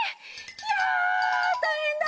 ひゃたいへんだ！